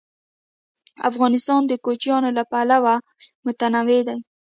افغانستان د کوچیان له پلوه متنوع دی.